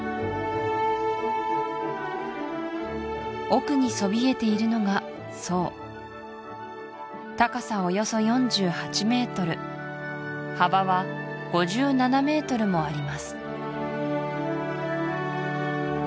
奥にそびえているのがそう高さおよそ４８メートル幅は５７メートルもあります